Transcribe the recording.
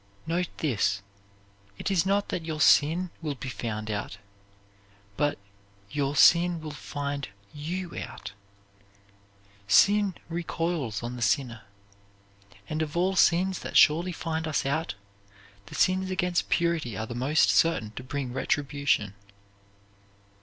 Note this; it is not that your sin will be found out, but your sin will find you out. Sin recoils on the sinner, and of all sins that surely find us out, the sins against purity are the most certain to bring retribution.